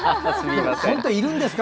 本当いるんですか？